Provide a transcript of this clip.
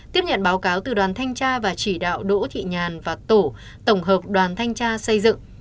tiếp nhận báo cáo từ đoàn thanh tra và chỉ đạo đỗ thị nhàn và tổ tổng hợp đoàn thanh tra xây dựng